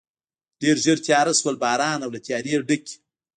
ډېر ژر تېاره شول، باران او له تیارې ډکې.